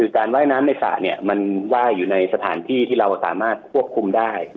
การว่ายน้ำในสระมันว่ายอยู่ในสถานที่ที่เราสามารถควบคุมได้